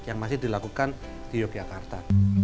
yang masih dilakukan di yogyakarta